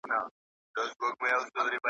یو انسان په بل هیڅ غوره والی نه لري.